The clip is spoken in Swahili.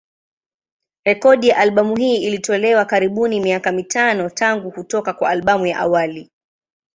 Rekodi ya albamu hii ilitolewa karibuni miaka mitano tangu kutoka kwa albamu ya awali.